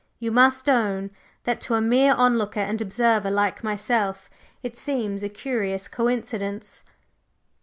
You must own, that to a mere onlooker and observer like myself, it seems a curious coincidence!"